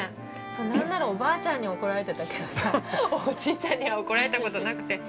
何ならおばあちゃんに怒られてたけどさおじいちゃんには怒られたことなくて。